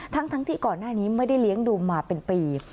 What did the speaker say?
ทั้งที่ก่อนหน้านี้ไม่ได้เลี้ยงดูมาเป็นปี